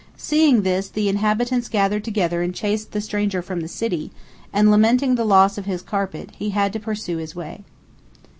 Seeing this, the inhabitants gathered together and chased the stranger from the city, and lamenting the loss of his carpet, he had to pursue his way.